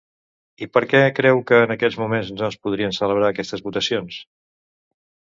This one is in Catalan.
I per què creu que en aquests moments no es podrien celebrar aquestes votacions?